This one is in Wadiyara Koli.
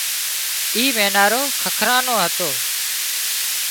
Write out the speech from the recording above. اِي مينارو ککران نو هتو